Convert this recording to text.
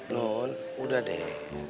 nun udah deh